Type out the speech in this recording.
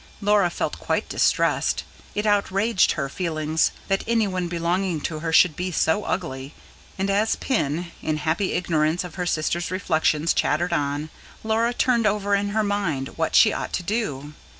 Laura felt quite distressed; it outraged her feelings that anyone belonging to her should be so ugly; and as Pin, in happy ignorance of her sister's reflections, chattered on, Laura turned over in her mind what she ought to do.